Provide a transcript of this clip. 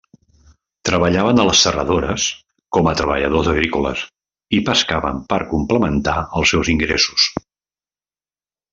Treballaven a les serradores, com a treballadors agrícoles, i pescaven per complementar els seus ingressos.